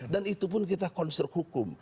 dan itu pun kita konstruk hukum